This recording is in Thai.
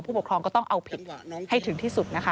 ปกครองก็ต้องเอาผิดให้ถึงที่สุดนะคะ